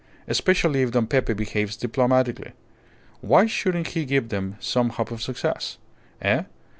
"Especially if Don Pepe behaves diplomatically. Why shouldn't he give them some hope of success? Eh?